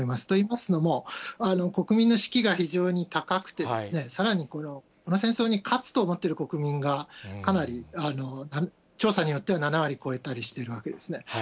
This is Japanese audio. といいますのも、国民の士気が非常に高くて、さらにこの戦争に勝つと思っている国民がかなり、調査によっては７割超えたりしてるわけですね。